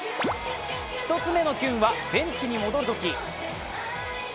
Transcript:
１つ目のキュンはベンチに戻るとき